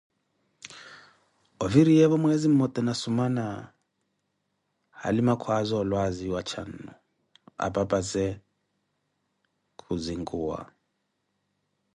Oviriyevo mwezi ummote na sumana, alima kwaza olwaziwa txannu, apapaze kuhzinkuwa